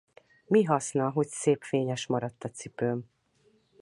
Mi haszna, hogy szép fényes maradt a cipőm!